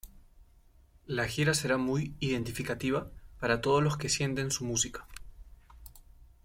La gira será muy identificativa para todos los que sienten su música.